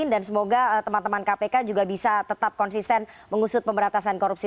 dan semoga teman teman kpk juga bisa tetap konsisten mengusut pemberantasan korupsi